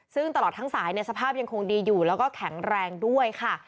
ซึ่งตลอดทั้งสายสภาพยังคงดีอยู่แล้วก็แข็งแรงด้วยค่ะ